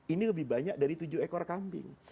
ini lebih banyak dari tujuh ekor kambing